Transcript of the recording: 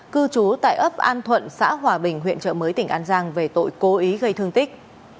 cư trú tại ấp an thuận xã hòa bình huyện trợ mới tỉnh an giang về tội cố ý gây thương tích